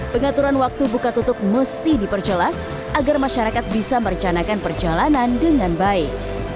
pengaturan waktu buka tutup mesti diperjelas agar masyarakat bisa merencanakan perjalanan dengan baik